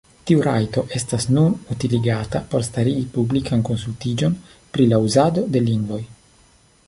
Tiu rajto estas nun utiligata por starigi publikan konsultiĝon pri la uzado de lingvoj.